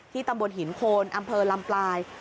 ตำบลหินโคนอำเภอลำปลาย